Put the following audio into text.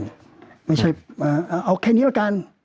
งั้นเอาแค่นี้แล้วกัน